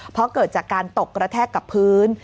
เพราะเกิดจากการตกกระแทกกับพื้น